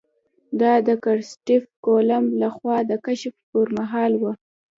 دا د کرسټېف کولمب له خوا د کشف پر مهال وه.